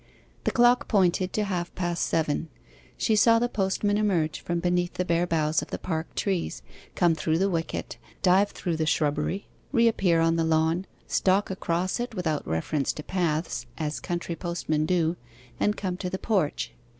The clock pointed to half past seven. She saw the postman emerge from beneath the bare boughs of the park trees, come through the wicket, dive through the shrubbery, reappear on the lawn, stalk across it without reference to paths as country postmen do and come to the porch.